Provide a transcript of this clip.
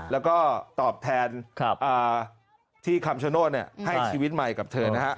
แล้วก็ตอบแทนที่คำชโนธให้ชีวิตใหม่กับเธอนะฮะ